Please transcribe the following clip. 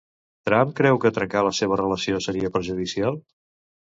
Trump creu que trencar la seva relació seria perjudicial?